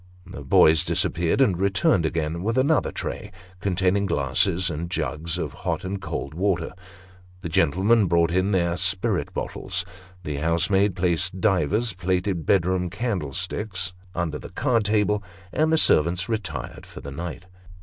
The boy disappeared, and returned again with another tray, containing glasses and jugs of hot and cold water. The gentle men brought in their spirit bottles; the housemaid placed divers plated bedroom candlesticks under the card table; and the servants retired for the night.